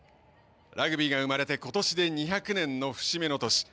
ラグビーが生まれて今年で２００年の節目の年。